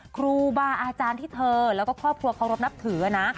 ครูบาอาจารย์ที่เธอแล้วก็ครอบครัวเคารพนับถือนะ